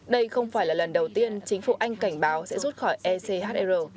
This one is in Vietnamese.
đây không phải là lần đầu tiên chính phủ anh cảnh báo sẽ rút khỏi echr